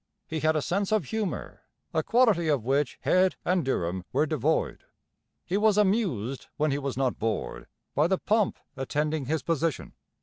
He had a sense of humour, a quality of which Head and Durham were devoid. He was amused when he was not bored by the pomp attending his position.